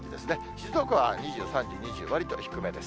静岡は２０、３０、２０と低めです。